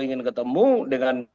ingin ketemu dengan